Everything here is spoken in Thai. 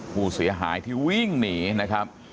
ผู้เสียหายที่วิ่งหนีนะครับ